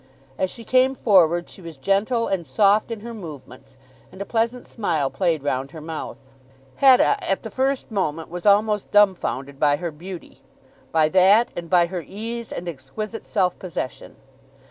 As she came forward she was gentle and soft in her movements, and a pleasant smile played round her mouth. Hetta at the first moment was almost dumbfounded by her beauty, by that and by her ease and exquisite self possession.